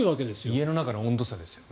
家の中の温度差ですよね。